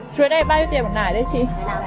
chuối này bao nhiêu tiền một nải đấy chị